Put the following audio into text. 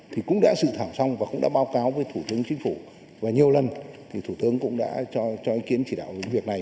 thì cũng đã dự thảo xong và cũng đã báo cáo với thủ tướng chính phủ và nhiều lần thì thủ tướng cũng đã cho ý kiến chỉ đạo về việc này